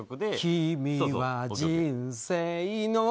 「君は人生の」